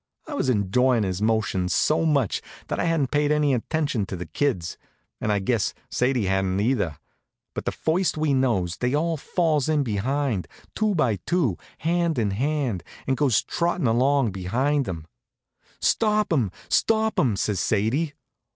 I was enjoyin' his motions so much that I hadn't paid any attention to the kids, and I guess Sadie hadn't either; but the first we knows they all falls in behind, two by two, hand in hand, and goes trottin' along behind him. "Stop 'em! Stop 'em!" says Sadie.